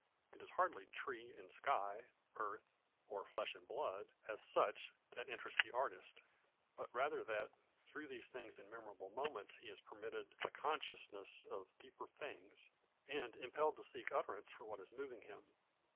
It is hardly trees and sky, earth, or flesh and blood, #as such#, that interest the artist; but rather that through these things in memorable moments he is permitted a consciousness of deeper things, and impelled to seek utterance for what is moving him.